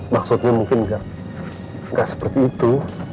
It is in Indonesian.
maksudnya mungkin nggak seperti itu